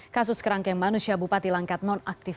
kasus kerangkeng manusia bupati langkat non aktif